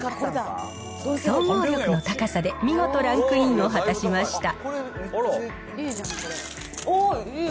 総合力の高さで見事ランクインを果たしました。